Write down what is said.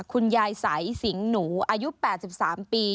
คุณยายใสสิงหนูอายุ๘๓ปี